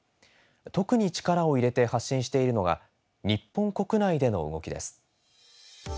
特に力を入れて発信しているのが日本国内での動きです。